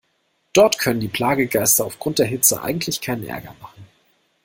Dort können die Plagegeister aufgrund der Hitze eigentlich keinen Ärger machen.